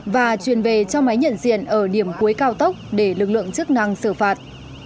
và truyền về cho máy nhận diện ở điểm cuối cao tốc để lực lượng chức năng xử phạt